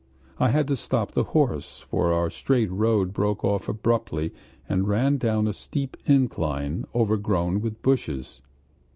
I had to stop the horse, for our straight road broke off abruptly and ran down a steep incline overgrown with bushes.